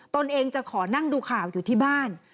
ตนเองจะขอนั่งดูข่าวอยู่ที่บ้าน